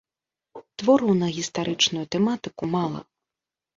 Твораў на гістарычную тэматыку мала.